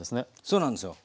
そうなんですよ。